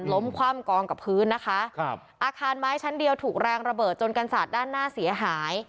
คว่ำกองกับพื้นนะคะครับอาคารไม้ชั้นเดียวถูกแรงระเบิดจนกันสาดด้านหน้าเสียหาย